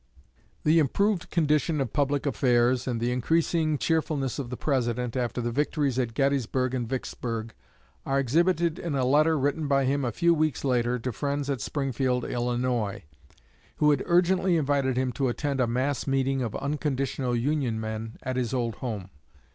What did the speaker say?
The improved condition of public affairs, and the increasing cheerfulness of the President, after the victories at Gettysburg and Vicksburg, are exhibited in a letter written by him a few weeks later to friends at Springfield, Illinois, who had urgently invited him to attend "a mass meeting of Unconditional Union men" at his old home.